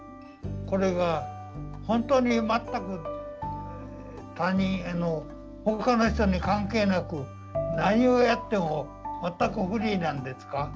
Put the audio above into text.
これが本当に全く他人ほかの人に関係なく何をやっても全くフリーなんですか？